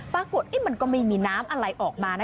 ปรากฏมันก็ไม่มีน้ำอะไรออกมานะ